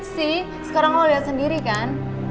si sekarang lo liat sendiri kan